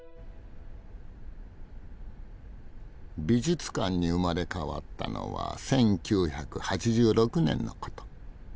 美術館に生まれ変わったのは１９８６年のこと。